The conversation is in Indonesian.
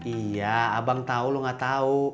iya abang tau lo gak tau